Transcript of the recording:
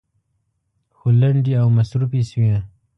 خو لنډې او مصروفې شوې.